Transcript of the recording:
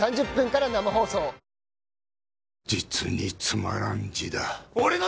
実につまらん字だ。